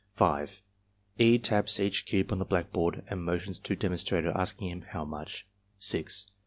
(5) E. taps each cube on the blackboard and motions to demonstrator, asking him "How much?"